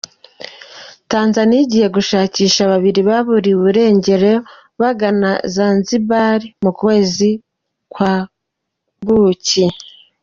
Tanzaniya Igiye gushakisha babiri baburiwe irengero bagana Zanzibar mu kwezi kwa buki